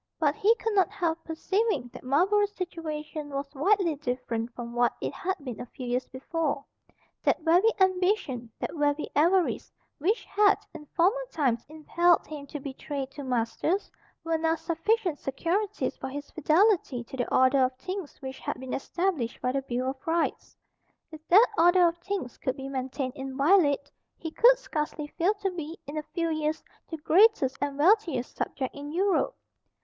But he could not help perceiving that Marlborough's situation was widely different from what it had been a few years before. That very ambition, that very avarice, which had, in former times, impelled him to betray two masters, were now sufficient securities for his fidelity to the order of things which had been established by the Bill of Rights. If that order of things could be maintained inviolate, he could scarcely fail to be, in a few years, the greatest and wealthiest subject in Europe.